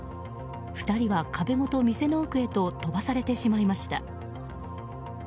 ２人は壁ごと店の奥へと飛ばされてしまいました。